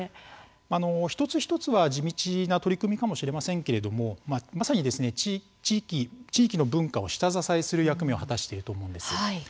一つ一つは地道な取り組みかもしれませんがまさに地域の文化を下支えする役目を果たしていると思うんです。